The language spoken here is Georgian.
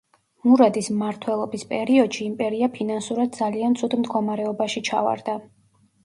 მურადის მმართველობის პერიოდში იმპერია ფინანსურად ძალიან ცუდ მდგომარეობაში ჩავარდა.